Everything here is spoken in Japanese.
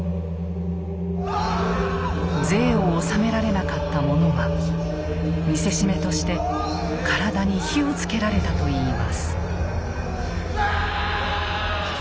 税を納められなかった者は見せしめとして体に火をつけられたといいます。